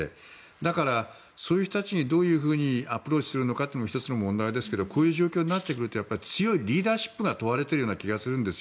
だから、そういう人たちにどういうふうにアプローチするのかも１つの問題ですけどこういう問題になってくると強いリーダーシップが問われているような気がするんですよ。